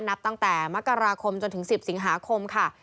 นับตั้งแต่มกราคมจนถึง๑๐สิงหาคมค่ะ